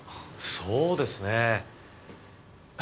そうですね。